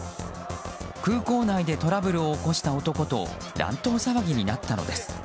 空港内でトラブルを起こした男と乱闘騒ぎになったのです。